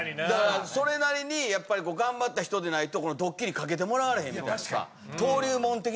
だからそれなりに頑張った人でないとどっきりかけてもらわれへん。